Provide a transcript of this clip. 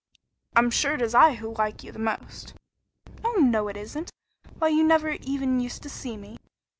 "I'm sure it is I who like you the most." "Oh, no, it isn't! Why, you never even used to see me.